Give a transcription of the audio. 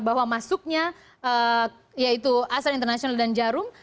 bahwa masuknya yaitu astra international dan jarum